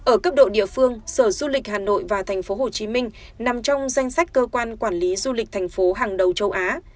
ở cấp độ địa phương sở du lịch hà nội và tp hcm nằm trong danh sách cơ quan quản lý du lịch thành phố hàng đầu châu á